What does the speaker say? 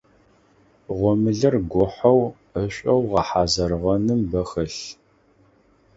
Гъомылэр гохьэу, ӏэшӏоу гъэхьазырыгъэным бэ хэлъ.